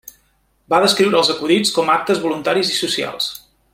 Va descriure els acudits com a actes voluntaris i socials.